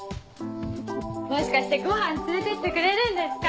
もしかしてごはん連れてってくれるんですか？